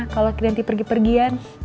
kalo kira kira pergi pergian